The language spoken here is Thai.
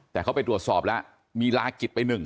แต่เขาไปตรวจสอบแล้วมีลากิจไปหนึ่ง